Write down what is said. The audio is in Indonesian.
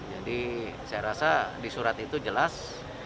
jadi saya rasa disurat itu jelas